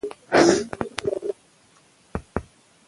د مور هوښیاري د کورنۍ ژوند اسانوي.